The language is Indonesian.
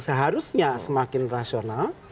seharusnya semakin rasional